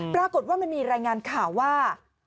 ปรากฏว่ามันมีรายงานข่าวว่า